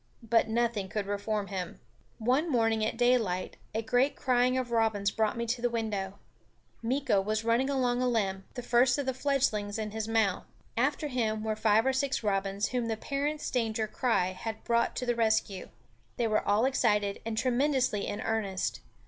But nothing could reform him. One morning at daylight a great crying of robins brought me to the window. Meeko was running along a limb, the first of the fledgelings in his mouth. After him were five or six robins whom the parents' danger cry had brought to the rescue. They were all excited and tremendously in earnest.